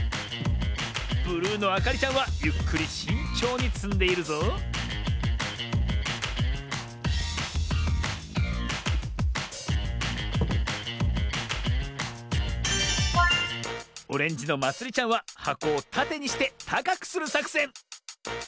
ブルーのあかりちゃんはゆっくりしんちょうにつんでいるぞオレンジのまつりちゃんははこをたてにしてたかくするさくせん。